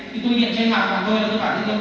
thì tôi điện trên lạc và tôi là tôi bảo thế hưng